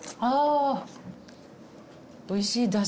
あーおいしい。